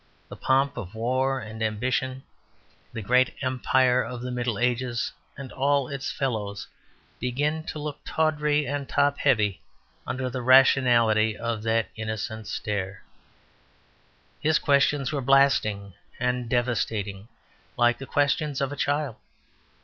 The pomp of war and ambition, the great empire of the Middle Ages and all its fellows begin to look tawdry and top heavy, under the rationality of that innocent stare. His questions were blasting and devastating, like the questions of a child.